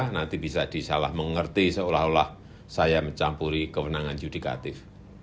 nanti bisa disalah mengerti seolah olah saya mencampuri kewenangan yudikatif